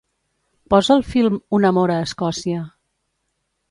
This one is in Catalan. Posa el film "Un amor a Escòcia".